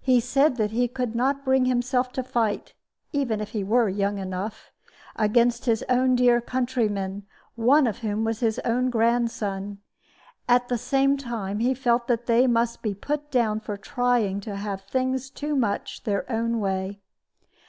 He said that he could not bring himself to fight (even if he were young enough) against his own dear countrymen, one of whom was his own grandson; at the same time he felt that they must be put down for trying to have things too much their own way.